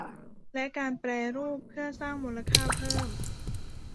และการแปรรูปเพื่อสร้างมูลค่าเพิ่ม